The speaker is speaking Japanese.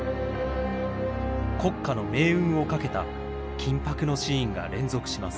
国家の命運を懸けた緊迫のシーンが連続します。